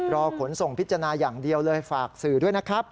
ขนส่งพิจารณาอย่างเดียวเลยฝากสื่อด้วยนะครับ